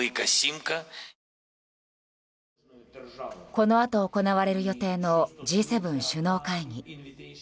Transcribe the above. このあと行われる予定のＧ７首脳会議。